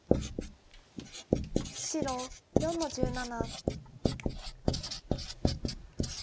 白４の十七。